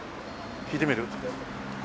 聞いてみる？